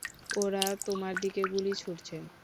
ওরা তোমার দিকে গুলি ছুঁড়ছে।